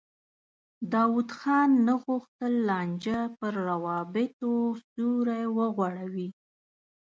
داود خان نه غوښتل لانجه پر روابطو سیوری وغوړوي.